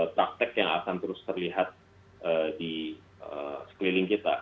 praktek yang akan terus terlihat di sekeliling kita